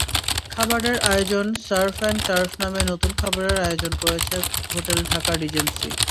খাবারের আয়োজনসার্ফ and turf নামে নতুন খাবারের আয়োজন করেছে হোটেল ঢাকা রিজেন্সি।